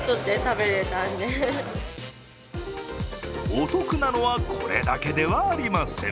お得なのは、これだけではありません。